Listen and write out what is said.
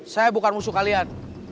saya bukan musuh kalian